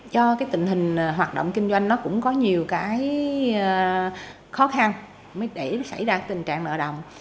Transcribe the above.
do cái tình hình hoạt động kinh doanh nó cũng có nhiều cái khó khăn để xảy ra tình trạng nợ động